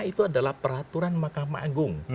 itu adalah peraturan mahkamah agung